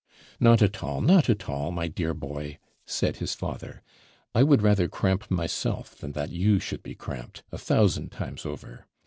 'Not at all not at all, my dear boy,' said his father; 'I would rather cramp myself than that you should be cramped, a thousand times over.